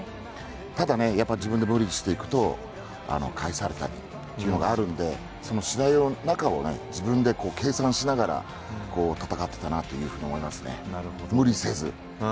ただ、やっていくと返されたりとかあるので試合の中を自分で計算しながら戦っていたなと思いますね、無理せず。